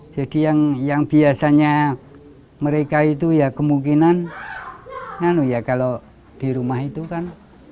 jadi yang biasanya mereka itu ya kemungkinan kalau di rumah itu kan